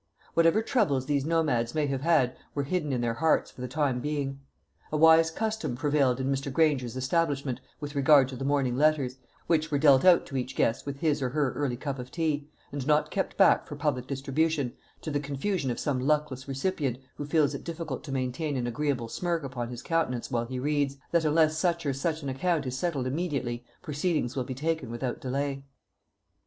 Whatever troubles these nomads may have had were hidden in their hearts for the time being. A wise custom prevailed in Mr. Granger's establishment with regard to the morning letters, which were dealt out to each guest with his or her early cup of tea, and not kept back for public distribution, to the confusion of some luckless recipient, who feels it difficult to maintain an agreeable smirk upon his countenance while he reads, that unless such or such an account is settled immediately, proceedings will be taken without delay.